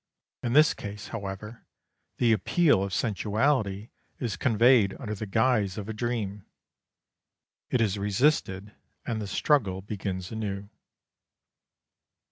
In this case, however, the appeal of sensuality is conveyed under the guise of a dream. It is resisted, and the struggle begins anew.